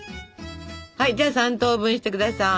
はいじゃあ３等分して下さい。